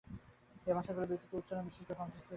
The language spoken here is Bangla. এই ভাষাগুলি বিকৃত উচ্চারণ-বিশিষ্ট সংস্কৃত ছাড়া আর কিছু নয়।